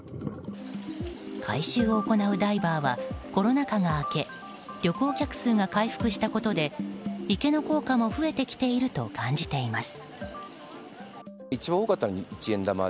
回収を行うダイバーはコロナ禍が明け旅行客数が回復したことで池の硬貨も増えてきていると感じています。